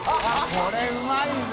これうまいぜ。